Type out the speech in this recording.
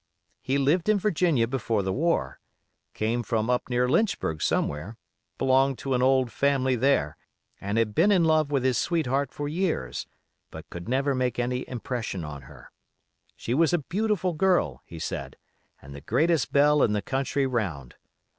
He lived in Virginia before the war; came from up near Lynchburg somewhere; belonged to an old family there, and had been in love with his sweetheart for years, but could never make any impression on her. She was a beautiful girl, he said, and the greatest belle in the country round.